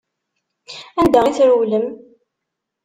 Anda i trewlem?